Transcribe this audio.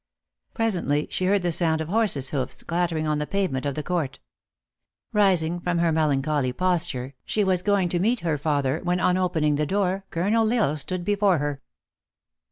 Presently she heard the sound of horses hoofs clattering on the pavement of the court. Rising from her melancholy posture, she was going to meet her father, when, on opening the door, Colonel L Isle stood before her.